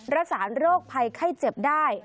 รักษาโรคภัยไข้เจ็บได้